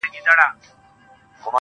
خوږ دی مرگی چا ويل د ژوند ورور نه دی_